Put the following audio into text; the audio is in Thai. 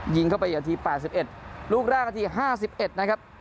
ยิงเข้าไปอย่างที่แปดสิบเอ็ดลูกแรกที่ห้าสิบเอ็ดนะครับ